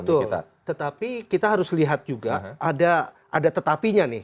betul tetapi kita harus lihat juga ada tetapinya nih